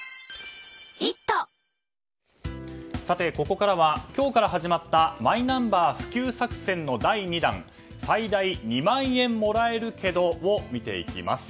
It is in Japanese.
ここからは今日から始まったマイナンバー普及作戦の第２弾最大２万円もらえるけどを見ていきます。